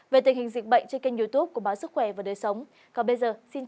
về tình hình dịch bệnh trên kênh youtube của báo sức khỏe và đời sống